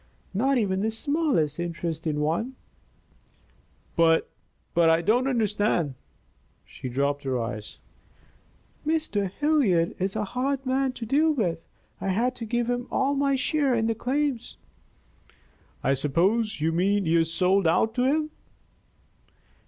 "Not even the smallest interest in one." "But I don't understand." She dropped her eyes. "Mr. Hilliard is a hard man to deal with. I had to give him all my share in the claims." "I suppose you mean you sold out to him."